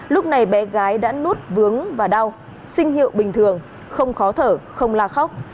lúc này bé gái đã nút vướng và đau sinh hiệu bình thường không khó thở không la khóc